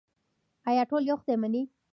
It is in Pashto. آیا ټول یو خدای مني؟